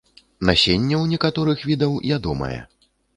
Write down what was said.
Насенне ў некаторых відаў ядомае.